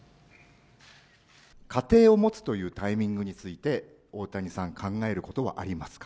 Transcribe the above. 家庭を持つというタイミングについて、大谷さん、考えることはありますか？